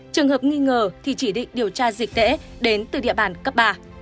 trường hợp nghi ngờ thì chỉ định điều tra dịch tễ đến từ địa bàn cấp ba